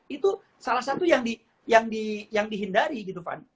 itu salah satu yang dihindari gitu fann